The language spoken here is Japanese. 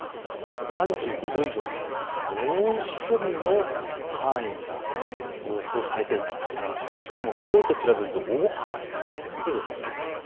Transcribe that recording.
これは３５度以上、猛暑日の範囲が予想されている、しかもきょうと比べると大幅に高いです。